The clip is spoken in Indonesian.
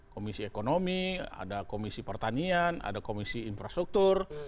komisi ekonomi ada komisi pertanian ada komisi infrastruktur